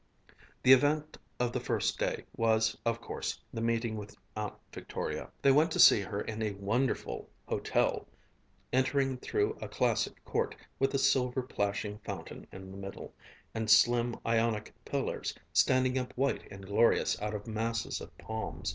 The event of the first day was, of course, the meeting with Aunt Victoria. They went to see her in a wonderful hotel, entering through a classic court, with a silver plashing fountain in the middle, and slim Ionic pillars standing up white and glorious out of masses of palms.